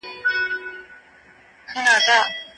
مجاهدین تل د خپل ایمان په ساتنه بوخت وي.